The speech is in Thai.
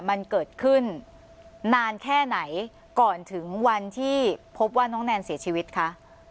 มันเกิดขึ้นนานแค่ไหนก่อนถึงวันที่พบว่าน้องแนนเสียชีวิตคะ